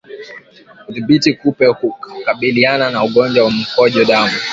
Kudhibiti kupe hukabiliana na ugonjwa wa mkojo damu